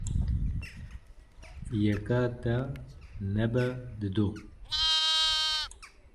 Yeka te nebe didu.